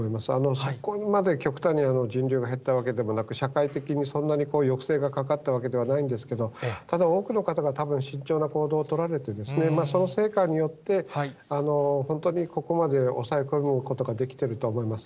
そこまで極端に人流が減ったわけでもなく、社会的にそんなに抑制がかかったわけではないんですけど、ただ、多くの方がたぶん慎重な行動を取られて、その成果によって、本当にここまで抑え込むことができていると思います。